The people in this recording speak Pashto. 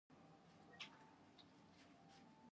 ورور ته تل لاس ورکوې.